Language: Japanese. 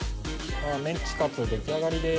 メンチカツの出来上がりです。